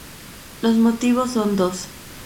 Los motivos son dos.